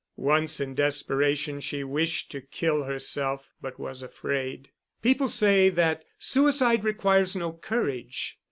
Once in desperation she wished to kill herself, but was afraid. People say that suicide requires no courage.